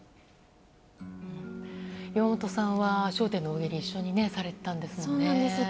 岩本さんは「笑点」の大喜利を一緒にされていたんですよね。